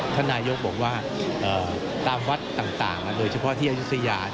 ท่านนายกบอกว่าตามวัดต่างโดยเฉพาะที่อายุทยา